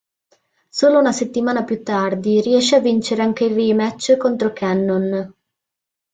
Solo una settimana più tardi, riesce a vincere anche il rematch contro Cannon.